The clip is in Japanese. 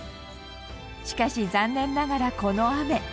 しかし残念ながらこの雨。